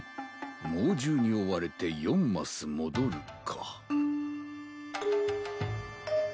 猛獣に追われて４マス戻るか。